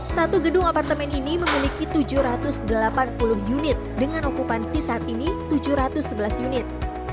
satu gedung apartemen ini memiliki tujuh ratus delapan puluh unit dengan okupansi saat ini tujuh ratus sebelas unit